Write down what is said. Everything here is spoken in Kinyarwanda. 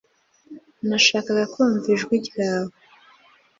Nashakaga kumva ijwi ryawe